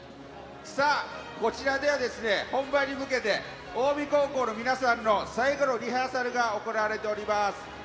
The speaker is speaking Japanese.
こちらでは本番に向けて近江高校の皆さんの最後のリハーサルが行われています。